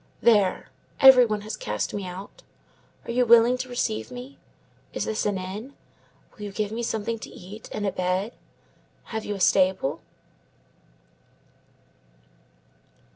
There! Every one has cast me out. Are you willing to receive me? Is this an inn? Will you give me something to eat and a bed? Have you a stable?"